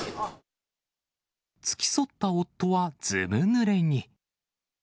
付き添った夫はずぶぬれに。